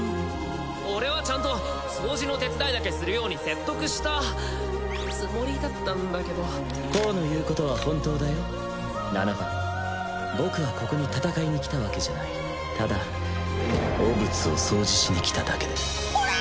俺はちゃんと掃除の手伝いだけするように説得したつもりだったんだけど光の言うことは本当だよ七番僕はここに戦いに来たわけじゃないただ汚物を掃除しに来ただけでほら！